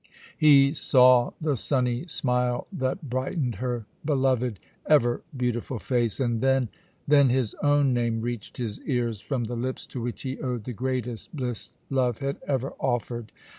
He saw the sunny smile that brightened her beloved, ever beautiful face, and then then his own name reached his ears from the lips to which he owed the greatest bliss love had ever offered.